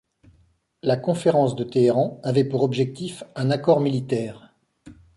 La Conférence de Téhéran avait pour objectif un accord militaire.